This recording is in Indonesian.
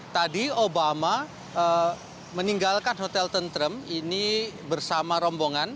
tadi obama meninggalkan hotel tentrem ini bersama rombongan